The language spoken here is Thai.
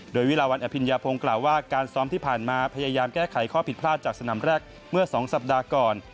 โดยวิลาวันอภิญญาพงศ์กล่าวว่าการซ้อมที่ผ่านมาพยายามแก้ไขข้อผิดพลาดจากสนามแรกเมื่อ๒สัปดาห์ก่อน